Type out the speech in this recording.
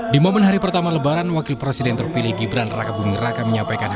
di momen hari pertama lebaran wakil presiden terpilih gibran raka buming raka menyampaikan